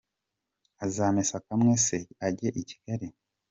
Azamesa kamwe se ajye i Kigali?